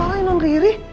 apaan ini non riri